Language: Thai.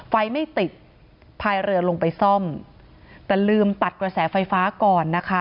ไม่ติดพายเรือลงไปซ่อมแต่ลืมตัดกระแสไฟฟ้าก่อนนะคะ